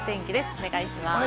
お願いします。